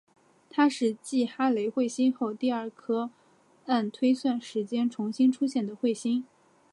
它是继哈雷彗星后第二颗按推算时间重新出现的彗星。